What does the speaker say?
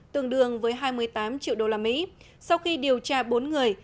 tương đương với hai mươi tám triệu đô la mỹ sau khi điều tra bốn người